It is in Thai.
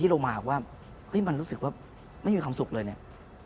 ที่เรามากว่ามันรู้สึกว่าไม่มีความสุขเลยเนี่ย